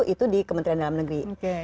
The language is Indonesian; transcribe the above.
itu di kementerian dalam negeri